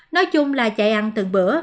nói chung là chạy ăn từng bữa